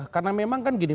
karena memang kan gini